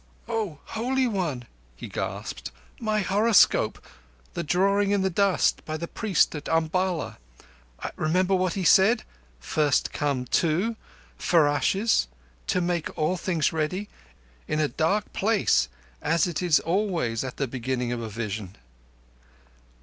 "O Holy One!" he gasped. "My horoscope! The drawing in the dust by the priest at Umballa! Remember what he said. First come two—ferashes—to make all things ready—in a dark place, as it is always at the beginning of a vision."